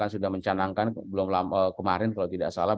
bahkan sudah mencanangkan kemarin kalau tidak salah